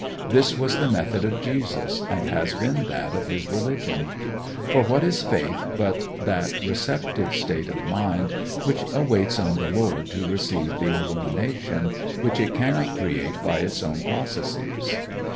This was the method of Jesus, and has been that of his religion. For what is faith but that receptive state of mind which waits on the Lord to receive the illumination which it cannot create by its own processes?